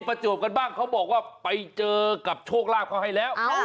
ประจวบกันบ้างเขาบอกว่าไปเจอกับโชคลาภเขาให้แล้ว